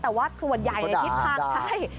แต่ว่าส่วนใหญ่ในทิศทางใช่